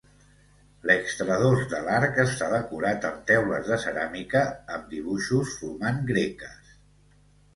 L'extradós de l'arc està decorat amb teules de ceràmica amb dibuixos formant greques.